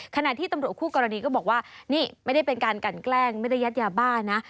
ขณะที่ตำรวจคู่กรณีก็บอกว่านี่ไม่ได้เป็นการกันแกล้งไม่ได้ยัดยาบ้านะ